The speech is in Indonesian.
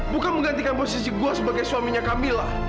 bukan menggantikan posisi gue sebagai suaminya kamilah